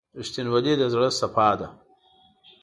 • رښتینولي د زړه صفا ده.